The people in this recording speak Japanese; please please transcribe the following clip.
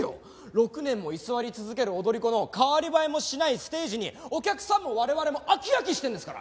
６年も居座り続ける踊り子の変わり映えもしないステージにお客さんも我々も飽き飽きしてるんですから！